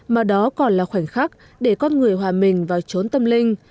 mà đó còn là khoảnh khắc để con người hòa mình vào trốn tâm linh